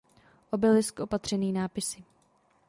Obelisk opatřený nápisy.